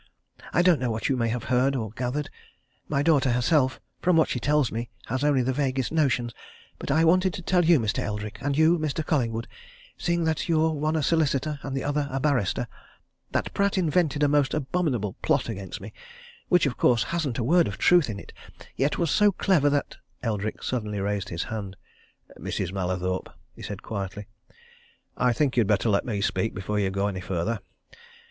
I don't know what you may have heard, or gathered my daughter herself, from what she tells me, has only the vaguest notions but I wanted to tell you, Mr. Eldrick, and you, Mr. Collingwood seeing that you're one a solicitor and the other a barrister, that Pratt invented a most abominable plot against me, which, of course, hasn't a word of truth in it, yet was so clever that " Eldrick suddenly raised his hand. "Mrs. Mallathorpe!" he said quietly. "I think you had better let me speak before you go any further.